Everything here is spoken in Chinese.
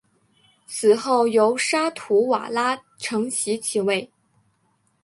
死后由沙图瓦拉承袭其位。